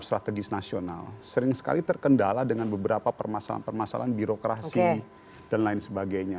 strategis nasional sering sekali terkendala dengan beberapa permasalahan permasalahan birokrasi dan lain sebagainya